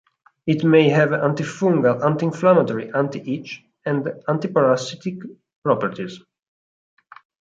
It may have antifungal, anti-inflammatory, anti-itch, and antiparasitic properties.